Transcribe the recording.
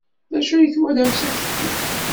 D acu ay twalam sakkin?